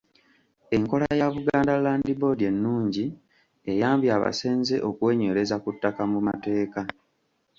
Enkola ya Buganda Land Board ennungi eyambye abasenze okwenywereza ku ttaka mu mateeka.